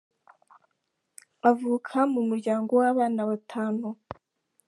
avuka mu muryango w’abana batanu.